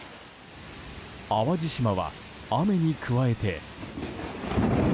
淡路島は雨に加えて。